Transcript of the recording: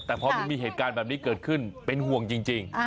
แต่พอมันมีเหตุการณ์แบบนี้เกิดขึ้นเป็นห่วงจริง